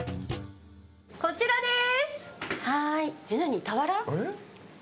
こちらです！